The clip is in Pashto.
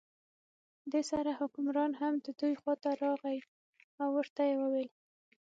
دې سره حکمران هم د دوی خواته راغی او ورته یې وویل.